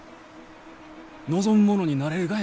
望む者になれるがやき！